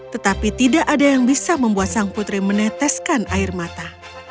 tetapi tidak ada yang bisa membuat sang putri meneteskan air mata